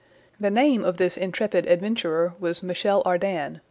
The name of this intrepid adventurer was Michel Ardan.